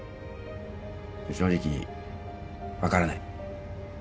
正直分からない。